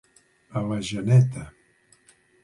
A la geneta.